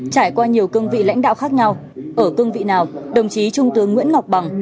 trải qua nhiều cương vị lãnh đạo khác nhau ở cương vị nào đồng chí trung tướng nguyễn ngọc bằng